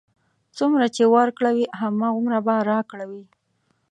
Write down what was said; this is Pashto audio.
څومره چې ورکړه وي، هماغومره به راکړه وي.